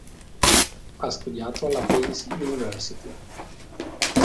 Ha studiato alla Pace University.